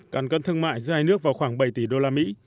căn cân thương mại giữa hai nước vào khoảng bảy tỷ usd